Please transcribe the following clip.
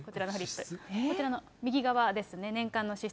こちらの右側ですね、年間の支出。